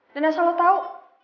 dan yang salah tau